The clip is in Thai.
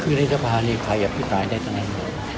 ชื่อนิทธิภาพนี่ใครอยากพิพลายได้ตรงนั้น